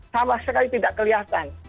sama sekali tidak kelihatan